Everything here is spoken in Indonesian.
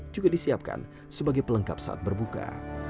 juga disiapkan sebagai pelengkap saat berbuka